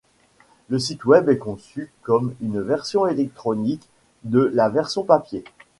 Le site web est conçue comme une version électronique de la version papier.